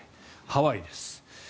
ハワイです。